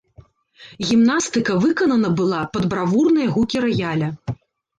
Гімнастыка выканана была пад бравурныя гукі раяля.